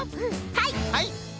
はい。